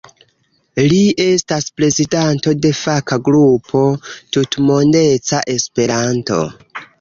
Li estas prezidanto de faka grupo "Tutmondeca Esperanto".